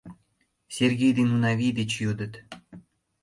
— Сергей ден Унавий деч йодыт.